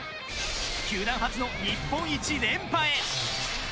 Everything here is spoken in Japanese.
球団初の日本一連覇へ。